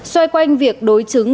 xoay quanh việc đối chứng